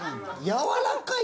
やわらかい。